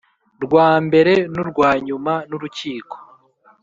Rwa mbere n urwa nyuma n urukiko